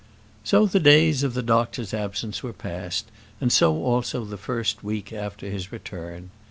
So the days of the doctor's absence were passed, and so also the first week after his return.